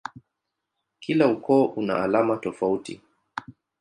Kila ukoo una alama tofauti.